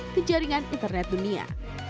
ke jaringan internet dunia